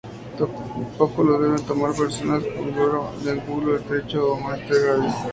Tampoco lo deben tomar personas con glaucoma de ángulo estrecho o miastenia gravis.